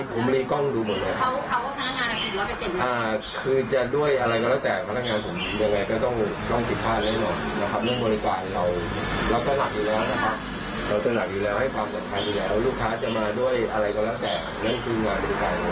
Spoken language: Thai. ผมเห็นภาพที่ลูกค้าลงไปแล้วผมก็ดูต่อกันรอบ